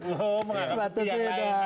oh menganggap batusin lah